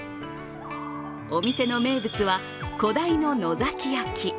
お店の名物は小鯛の野崎焼。